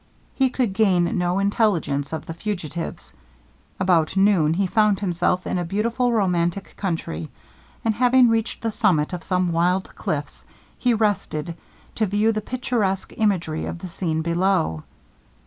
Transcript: He could gain no intelligence of the fugitives. About noon he found himself in a beautiful romantic country; and having reached the summit of some wild cliffs, he rested, to view the picturesque imagery of the scene below.